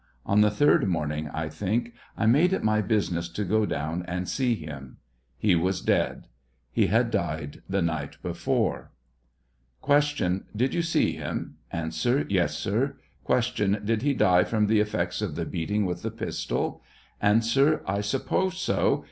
On the third morning, I think, I made it my business t go down and see him ; he was dead ; he had died the night before. Q. Did you sec him? A. Yes, sir. Q. Did he die from the effects of the beating with the pistol ? A. I suppose so.